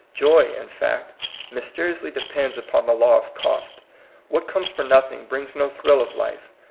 Joy, in fact, mjrsteri ously depends upon the law of cost. What comes for nothing brings no thrill of life.